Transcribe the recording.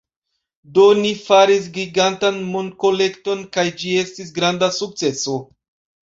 Do, ni faris gigantan monkolekton kaj ĝi estis granda sukceso